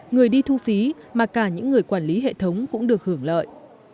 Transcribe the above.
người đi thu phí mà cả những người quản lý hệ thống cũng được hưởng lợi